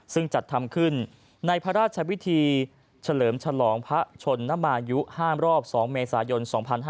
ซึ่งจัดทำขึ้นในพระราชวิธีเฉลิมฉลองพระชนนมายุ๕รอบ๒เมษายน๒๕๕๙